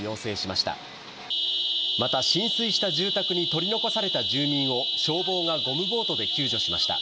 また、浸水した住宅に取り残された住民を消防がゴムボートで救助しました。